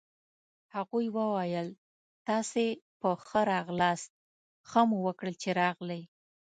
هغوی وویل: تاسي په ښه راغلاست، ښه مو وکړل چي راغلئ.